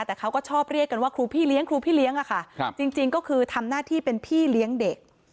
แต่เขาก็ชอบเรียกกันว่าครูพี่เลี้ยงครูพี่เลี้ยงอะค่ะจริงก็คือทำหน้าที่เป็นพี่เลี้ยงเด็ก